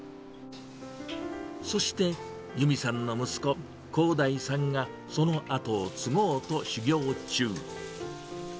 そして由美さんの息子、広大さんが、そのあとを継ごうと修業中。